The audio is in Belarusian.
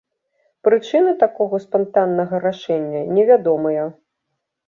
Прычыны такога спантаннага рашэння невядомыя.